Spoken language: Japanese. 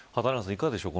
いかがでしょう。